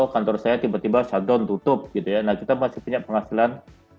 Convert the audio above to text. kantor saya tiba tiba shutdown tutup kita masih punya penghasilan